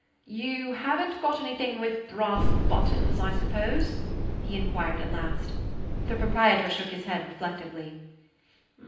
"You have n't got anything with brass buttons, I suppose?" he inquired at last. The proprietor shook his head reflectively.